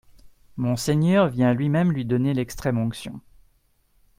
Monseigneur vient lui-même lui donner l'extrême-onction.